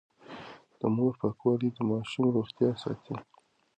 د مور پاکوالی د ماشوم روغتيا ساتي.